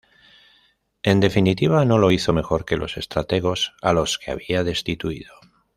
En definitiva, no lo hizo mejor que los estrategos a los que había destituido.